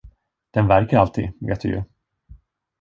Den värker alltid, vet du ju.